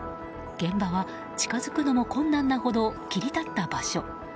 現場は近づくのも困難なほど切り立った場所。